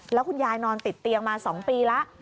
แล้วคุณยายนอนติดเตียงมา๒ปีแล้ว